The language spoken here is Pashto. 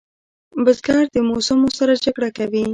بزګر د موسمو سره جګړه کوي